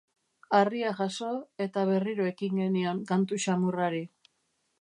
Harria jaso, eta berriro ekin genion kantu xamurrari.